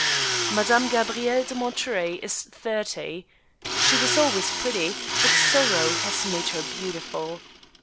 Madame Gabrielle de Monterey is thirty. She was always pretty, but sorrow has made her beautiful.